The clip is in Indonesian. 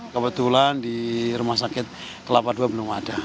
kebetulan di rumah sakit kelapa ii belum ada